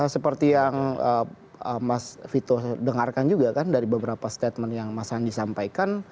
seperti yang mas vito dengarkan juga kan dari beberapa statement yang mas andi sampaikan